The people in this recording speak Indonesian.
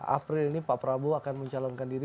april ini pak prabowo akan mencalonkan diri